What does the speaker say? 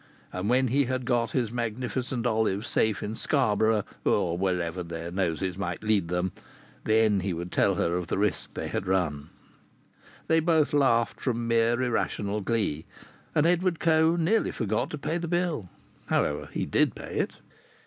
And when he had got his magnificent Olive safe in Scarborough, or wherever their noses might lead them, then he would tell her of the risk they had run. They both laughed from mere irrational glee, and Edward Coe nearly forgot to pay the bill. However, he did pay it.